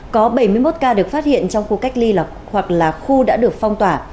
có bảy mươi một ca được phát hiện trong khu cách ly hoặc là khu đã được phong tỏa